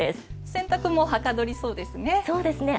洗濯もはかどりそうですね。